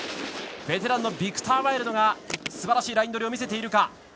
ベテランのビクター・ワイルドがすばらしいライン取りを見せているか。